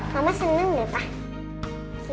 mama seneng ya papa